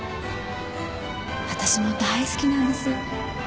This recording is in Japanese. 私も大好きなんですよ。